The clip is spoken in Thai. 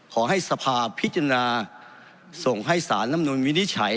ขอให้สภาพิจารณาส่งให้สารลำนุนวินิจฉัย